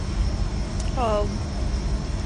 森帕赫战役后霍赫多夫由卢塞恩管辖。